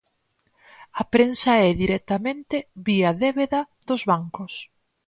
A prensa é directamente, vía débeda, dos bancos.